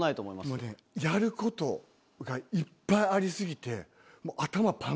もうねやることがいっぱいありすぎて。